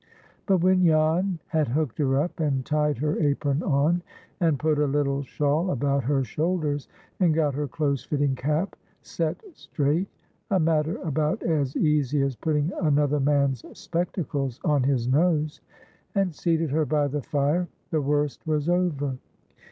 But when Jan had hooked her up, and tied her apron on, and put a little shawl about her shoulders, and got her close fitting cap set straight,—a matter about as easy as putting another man's spectacles on his nose,—and seated her by the fire, the worst was over.